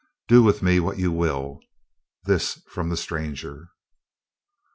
Do with me what you will." This from the stranger.